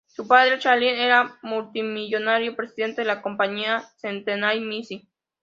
Su padre, Charlie, era el multimillonario presidente de la Compañía Centennial Mills.